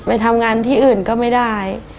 ไปทำงานที่อื่นก็ไม่ได้